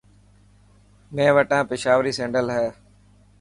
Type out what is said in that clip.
مين وٽا پشاوري سينڊل هي.